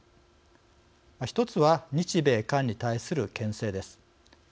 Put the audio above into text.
ひとつは日米韓に対するけん制です。